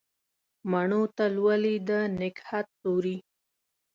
مڼو ته لولي د نګهت سیوري